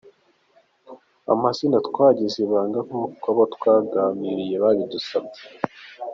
Amazina twayagize ibanga nk’uko abo twaganiriye babidusabye.